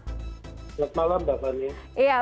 selamat malam bapak